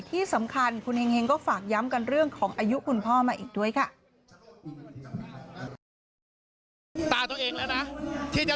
ที่สำคัญคุณเฮงก็ฝากย้ำกันเรื่องของอายุคุณพ่อมาอีกด้วยค่ะ